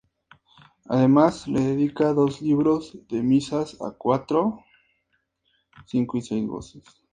Además le dedica dos libros de misas a cuatro, cinco y seis voces.